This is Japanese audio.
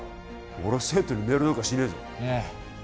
俺は生徒にメールなんかしねえぞええ